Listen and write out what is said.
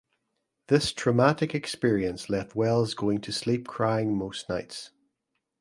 This traumatic experience left Wells going to sleep crying most nights.